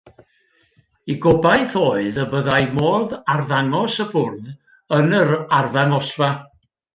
Eu gobaith oedd y byddai modd arddangos y bwrdd yn yr arddangosfa.